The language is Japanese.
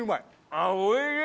あっおいしい！